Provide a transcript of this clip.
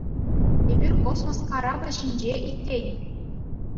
Эпир космос карапӗ ҫинче иккен.